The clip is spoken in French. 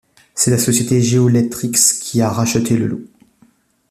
C'est la société Goelectrix qui a racheté le lot.